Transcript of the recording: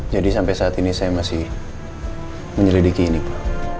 jadi sampai saat ini saya masih menyelidiki ini pa